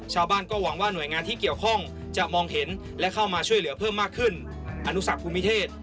จะขึ้นอนุสักภูมิเทศ